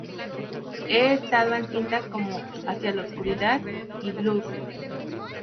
He estado en cintas como "Hacia la oscuridad" y "Blues".